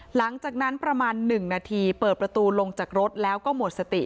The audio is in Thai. หลังจากนั้นประมาณ๑นาทีเปิดประตูลงจากรถแล้วก็หมดสติ